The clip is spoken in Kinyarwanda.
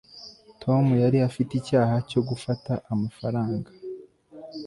tom yari afite icyaha cyo gufata amafaranga